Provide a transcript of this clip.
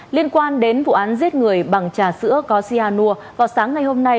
liên quan đến vụ án giết người bằng trà sữa có xia nua vào sáng ngày hôm nay